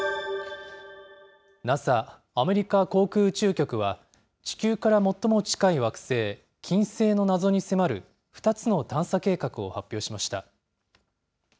ＮＡＳＡ・アメリカ航空宇宙局は、地球から最も近い惑星、金星の謎に迫る２つの探査計画を発表しました。